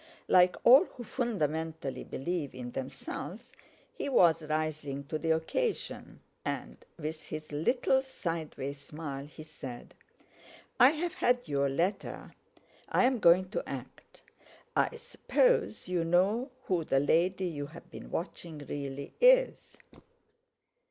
Like all who fundamentally believe in themselves he was rising to the occasion, and, with his little sideway smile, he said: "I've had your letter. I'm going to act. I suppose you know who the lady you've been watching really is?"